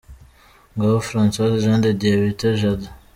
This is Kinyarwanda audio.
Ngabo Francois Jean de Dieu bita Jado.